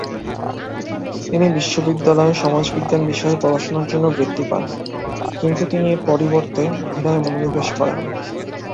তিনি বিশ্ববিদ্যালয়ে সমাজবিজ্ঞান বিষয়ে পড়াশুনার জন্য বৃত্তি পান, কিন্তু তিনি এর পরিবর্তে অভিনয়ে মনোনিবেশ করেন।